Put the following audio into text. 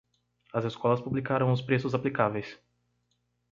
As escolas publicarão os preços aplicáveis.